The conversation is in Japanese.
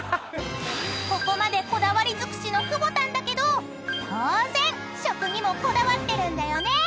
［ここまでこだわり尽くしのくぼたんだけど当然食にもこだわってるんだよね］